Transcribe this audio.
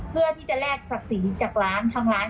เพื่อที่จะแลกศักดิ์ศรีจากร้านทางร้าน